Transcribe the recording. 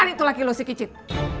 cari tuh laki lu si kicit